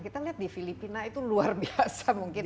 kita lihat di filipina itu luar biasa mungkin